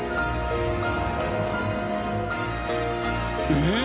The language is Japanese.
えっ？